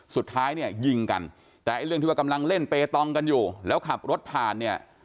สุดท้ายเนี่ยยิงกันแต่ไอ้เรื่องที่ว่ากำลังเล่นเปตองกันอยู่แล้วขับรถผ่านเนี่ย